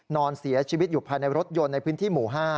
นอนเสียชีวิตอยู่ภายในรถยนต์ในพื้นที่หมู่๕